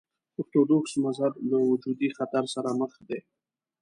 ارتوډوکس مذهب له وجودي خطر سره مخ دی.